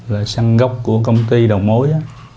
là xăng gốc của công ty đầu mối